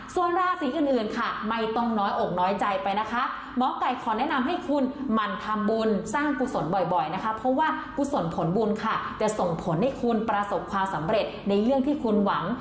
ส่วนราศีอื่นไม่ต้องเงาะกน้อยใจไปหมอกัยขอแนะนำให้คุณมั่นทำบุญสร้างกุศลบ่อยเพราะว่ากุศลผลบุญจะส่งผลให้คุณประโปรศัพท์สำเร็จในเรื่องที่คุณหวัง